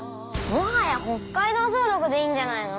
もはや北海道すごろくでいいんじゃないの？